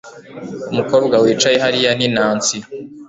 Umukobwa wicaye hariya ni Nancy